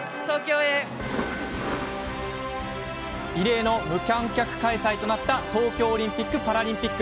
異例の無観客開催となった東京オリンピックとパラリンピック。